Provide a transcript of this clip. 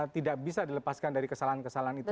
tidak bisa dilepaskan dari kesalahan kesalahan itu